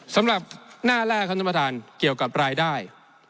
สำหรับหน้าแรกครับท่านประธานเกี่ยวกับรายได้